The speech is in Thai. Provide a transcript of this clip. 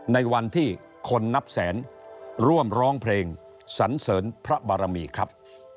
ในวันที่คนนับแสนร่วมร้องเพลงสันเสริญพระบารมีครับ